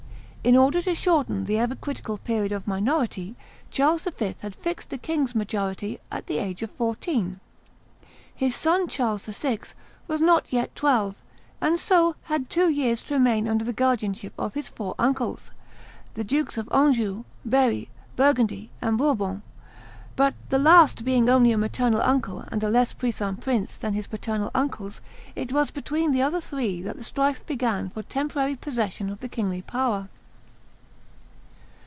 In order to shorten the ever critical period of minority, Charles V. had fixed the king's majority at the age of fourteen. His son, Charles VI., was not yet twelve, and so had two years to remain under the guardianship of his four uncles, the Dukes of Anjou, Berry, Burgundy, and Bourbon; but the last being only a maternal uncle and a less puissant prince than his paternal uncles, it was between the other three that strife began for temporary possession of the kingly power.